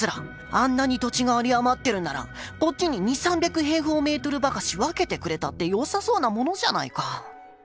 あんなに土地が有り余ってるんなら、こっちに二、三百平方メートルばかし分けてくれたってよさそうなものじゃないか」。